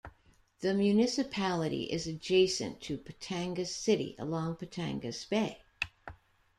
The municipality is adjacent to Batangas City, along Batangas Bay.